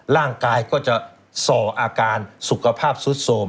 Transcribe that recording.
ร่างกายก็จะส่ออาการสุขภาพสุดโทรม